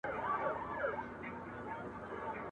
د خیالي حوري په خیال کي زنګېدلای !.